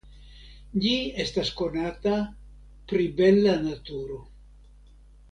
Ĝi estas konata pri bela naturo.